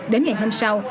đến ngày hôm sau